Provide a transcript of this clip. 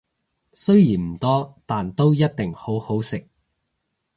雖然唔多，但都一定好好食